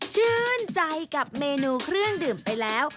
ชื่นใจกับเมนูเครื่องดื่มไปแล้ว